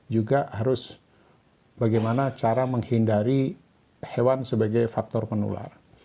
juga harus bagaimana cara menghindari hewan sebagai faktor penular